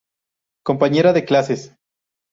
Compañera de clases.